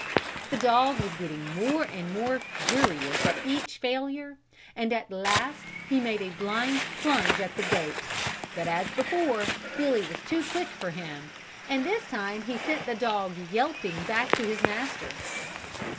The dog was getting more and more furious at each failure and at last he made a blind plunge at the goat, but, as before, Billy was too quick for him and this time he sent the dog yelping back to his master.